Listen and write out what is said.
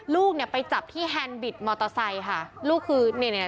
ลูกเนี่ยไปจับที่แฮนดิตมอเตอร์ไซค์ค่ะลูกคือเนี่ยเนี่ย